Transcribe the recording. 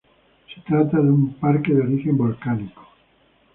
Se trata de un parque de origen volcánico.